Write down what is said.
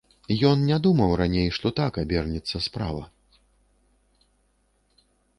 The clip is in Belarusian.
Ён не думаў раней, што так абернецца справа.